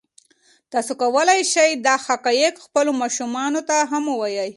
تاسو کولی شئ دا حقایق خپلو ماشومانو ته هم ووایئ.